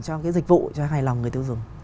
cho cái dịch vụ cho hài lòng người tiêu dùng